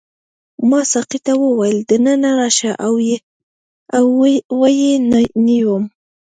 ما ساقي ته وویل دننه راشه او ویې نیوم.